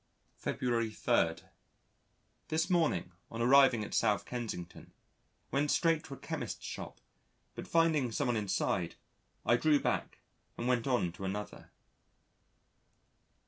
February 3. This morning on arriving at S. Kensington, went straight to a Chemist's shop, but finding someone inside, I drew back, and went on to another.